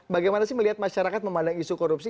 bagaimana sih melihat masyarakat memandang isu korupsi